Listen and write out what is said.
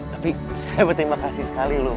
tapi saya berterima kasih sekali loh